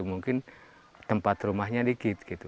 mungkin tempat rumahnya dikit